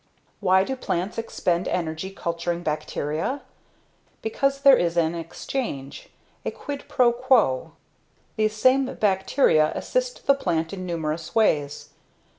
Why do plants expend energy culturing bacteria? Because there is an exchange, a quid pro quo. These same bacteria assist the plant in numerous ways.